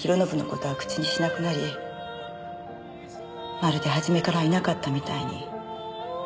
まるで初めからいなかったみたいに。